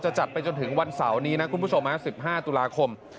จัดไปจนถึงวันเสาร์นี้นะคุณผู้ชม๑๕ตุลาคม